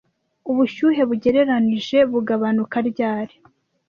Ubushyuhe bugereranije bugabanuka ryari